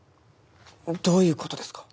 どういうことですか？